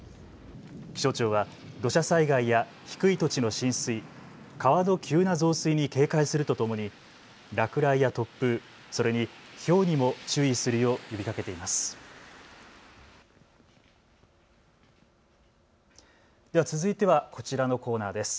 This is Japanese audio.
気象庁は土砂災害や低い土地の浸水、川の急な増水に警戒するとともに落雷や突風、それにひょうにも注意するよう呼びかけています。